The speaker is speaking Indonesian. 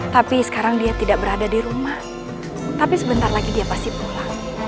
tapi sekarang dia tidak berada di rumah tapi sebentar lagi dia pasti pulang